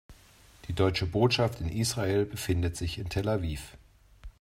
Die Deutsche Botschaft in Israel befindet sich in Tel Aviv.